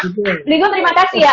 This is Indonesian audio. brigong terima kasih ya